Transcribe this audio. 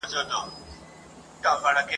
چي فرنګ ته یادوي د امان توره ..